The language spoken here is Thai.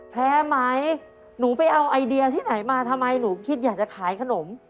แพ้ไหมหนูไปเอาไอเดียที่ไหนมาทำไมหนูคิดอยากจะขายขนม